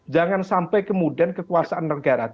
jangan sampai kemudian kekuasaan negara